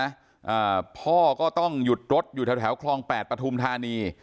อ่าพ่อก็ต้องหยุดรถอยู่แถวแถวคลองแปดปฐุมธานี